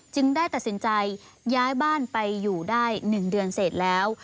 ได้ตัดสินใจย้ายบ้านไปอยู่ได้๑เดือนเสร็จแล้ว